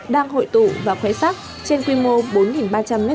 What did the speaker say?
đang hội tụ và khoe sắc trên quy mô bốn ba trăm linh m hai